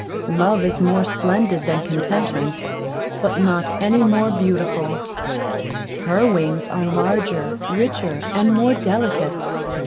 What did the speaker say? Love is more splendid than Contentment, but not any more beautiful; her wings are larger, richer, and more delicate.